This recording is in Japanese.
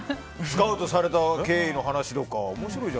スカウトされた経緯の話とか。